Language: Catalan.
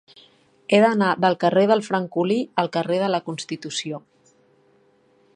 He d'anar del carrer del Francolí al carrer de la Constitució.